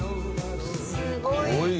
すごい。